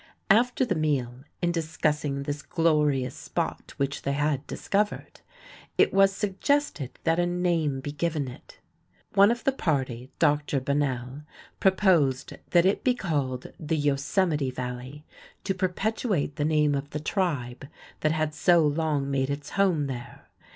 After the meal, in discussing this glorious spot which they had discovered, it was suggested that a name be given it. One of the party, Dr. Bunnell, proposed that it be called the "Yosemite Valley," to perpetuate the name of the tribe that had so long made its home there.